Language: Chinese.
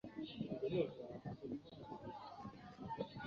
拉维尼。